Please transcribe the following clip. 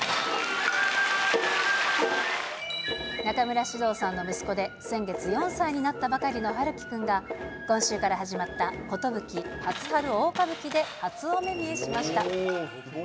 中村獅童さんの息子で、先月、４歳になったばかりの陽喜くんが、今週から始まった壽初春大歌舞伎で初お目見えしました。